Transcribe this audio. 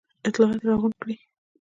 اطلاعات را غونډ کړي.